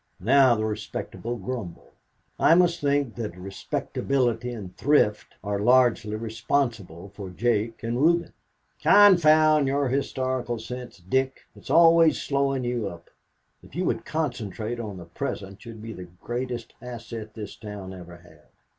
Now the respectable grumble. I must think that respectability and thrift are largely responsible for Jake and Reuben." "Confound your historical sense, Dick; it is always slowing you up. If you would concentrate on the present, you would be the greatest asset this town ever had."